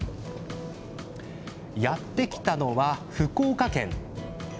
やって来たのは福岡県。